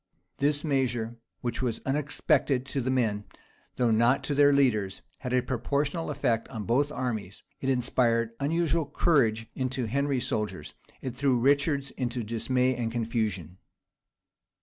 This measure, which was unexpected to the men, though not to their leaders, had a proportional effect on both armies: it inspired unusual courage into Henry's soldiers; it threw Richard's into dismay and confusion.